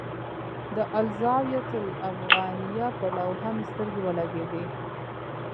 د الزاویة الافغانیه پر لوحه مې سترګې ولګېدې.